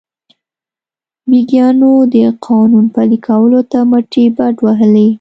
ویګیانو د قانون پلي کولو ته مټې بډ وهلې.